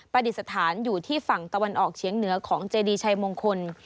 ดิษฐานอยู่ที่ฝั่งตะวันออกเฉียงเหนือของเจดีชัยมงคล